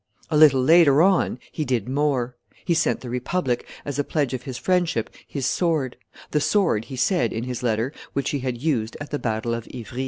A little later on he did more; he sent the republic, as a pledge of his friendship, his sword the sword, he said in his letter, which he had used at the battle of Ivry.